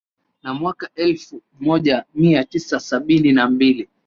na mwaka ellfu moja mia tisa sabini na mbili